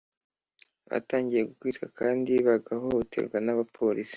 batangiye gukubitwa kandi bagahohoterwa n abapolisi